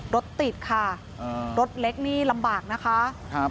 รถติดค่ะรถเล็กนี่ลำบากนะคะครับ